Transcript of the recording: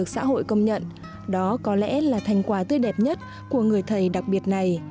xã hội công nhận đó có lẽ là thành quả tươi đẹp nhất của người thầy đặc biệt này